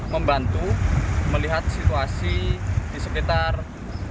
untuk membantu pencarian kapal nelayan yang hilang di wilayah perairan cilacap dan sekitarnya